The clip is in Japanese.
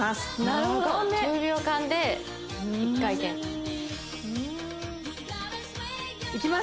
なるほど１０秒間で１回転長め！